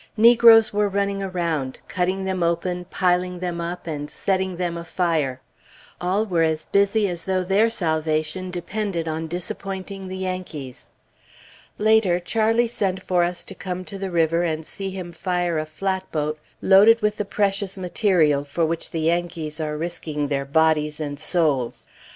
Negroes were running around, cutting them open, piling them up, and setting them afire. All were as busy as though their salvation depended on disappointing the Yankees. Later, Charlie sent for us to come to the river and see him fire a flatboat loaded with the precious material for which the Yankees are risking their bodies and souls.